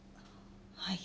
はい。